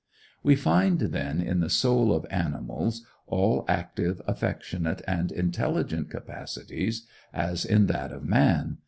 We find, then, in the soul of animals all active, affectionate, and intelligent capacities, as in that of man.